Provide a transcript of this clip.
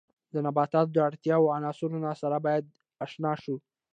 د نباتاتو د اړتیاوو عنصرونو سره باید آشنا شو.